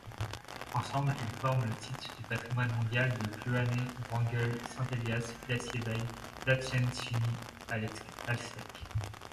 Ensemble ils forment le site du patrimoine mondial de Kluane–Wrangell-St Elias–Glacier Bay–Tatshenshini-Alsek.